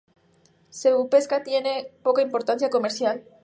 Su pesca tiene poca importancia comercial.